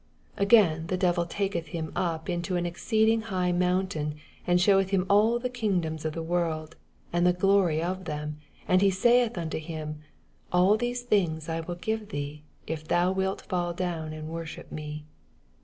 8 Again, the devil taketh him up into an ezoeeding high mountain, and sheweth him all the Kingdoms of the world, and the glory of uiem : 9 And saith unto him^ Ail these things will I give thee, if thou wilt fall down and worship me.